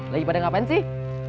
lagi pada ngapain sih